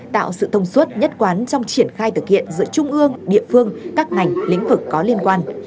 tạo sự thông suốt nhất quán trong triển khai thực hiện giữa trung ương địa phương các ngành lĩnh vực có liên quan